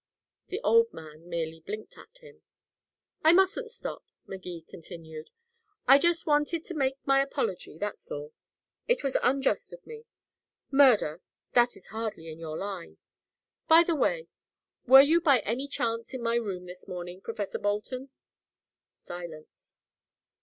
The old man merely blinked at him. "I mustn't stop," Magee continued. "I just wanted to make my apology, that's all. It was unjust of me. Murder that is hardly in your line. By the way, were you by any chance in my room this morning, Professor Bolton?" Silence.